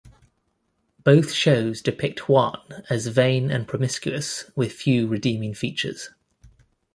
Both shows depict Juan as vain and promiscuous, with few redeeming features.